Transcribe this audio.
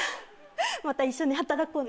また一緒に働こうね。